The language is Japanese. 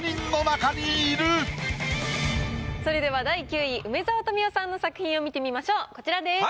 それでは第９位梅沢富美男さんの作品を見てみましょうこちらです。